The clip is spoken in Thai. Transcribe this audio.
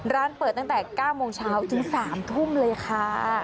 ร้านเปิดตั้งแต่๐๙๐๐๑๙๐๐จน๓๐๐๐เลยค่ะ